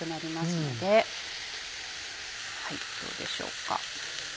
どうでしょうか？